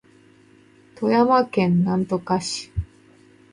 富山県砺波市